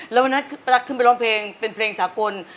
แล้ววันนั้นป้ารักขึ้นไปร้องเพลงเป็นเพลงสากล